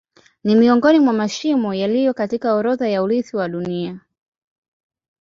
Ni miongoni mwa mashimo yaliyo katika orodha ya urithi wa Dunia.